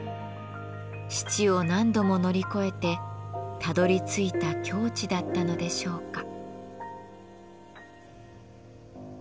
死地を何度も乗り越えてたどりついた境地だったのでしょうか。